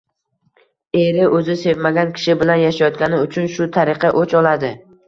Er o‘zi sevmagan kishi bilan yashayotgani uchun shu tariqa o‘ch oladi.